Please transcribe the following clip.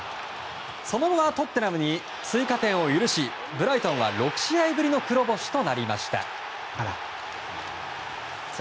その後はトッテナムに追加点を許しブライトン６試合ぶりの黒星となりました。